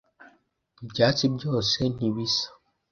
ibyatsi byose ntibisa.